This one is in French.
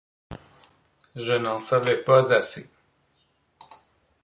Je n’en savais pas assez.